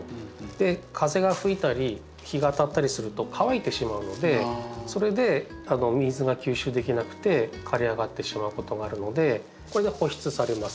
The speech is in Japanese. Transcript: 風が吹いたり日が当たったりすると乾いてしまうのでそれで水が吸収できなくて枯れ上がってしまうことがあるのでこれで保湿されます。